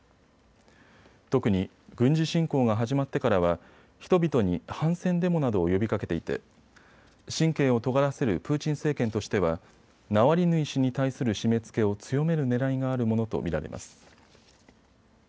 特に軍事侵攻が始まってからは人々に反戦デモなどを呼びかけていて神経をとがらせるプーチン政権としてはナワリヌイ氏に対する締めつけを強めるねらいがあるものと見られます。